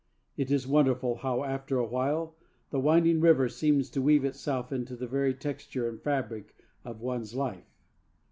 It is wonderful how, after awhile, the winding river seems to weave itself into the very texture and fabric of one's life.